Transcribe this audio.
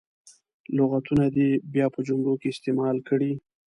لغتونه دې بیا په جملو کې استعمال کړي.